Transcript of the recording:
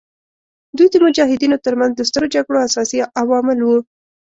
دوی د مجاهدینو تر منځ د سترو جګړو اساسي عوامل وو.